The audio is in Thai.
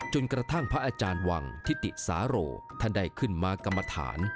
กระทั่งพระอาจารย์วังทิติสาโรท่านได้ขึ้นมากรรมฐาน